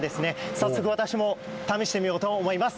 早速、私も試してみようと思います